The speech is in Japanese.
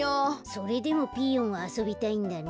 それでもピーヨンはあそびたいんだね。